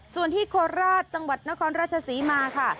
ส่วนที่โคราชจังหวัดนครราชศรีมาค่ะ